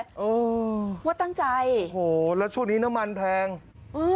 เออว่าตั้งใจโอ้โหแล้วช่วงนี้น้ำมันแพงอืม